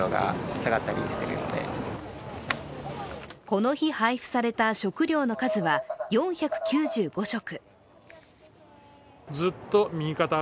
この日、配布された食糧の数は４９５食。